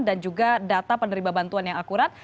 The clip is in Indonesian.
dan juga data penerima bantuan yang akurat